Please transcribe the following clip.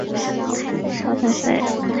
一场过淘汰赛。